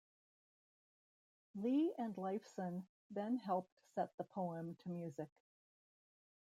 Lee and Lifeson then helped set the poem to music.